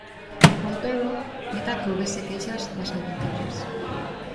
Con todo, nega que houbese queixas das auditoras.